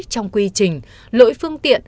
trong quy trình lỗi phương tiện